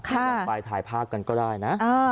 ลองไปถ่ายภาพกันก็ได้นะ